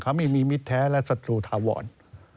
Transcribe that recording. เขาไม่มีมิตรแท้และศัตรูถาวร